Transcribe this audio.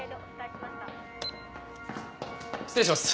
失礼します。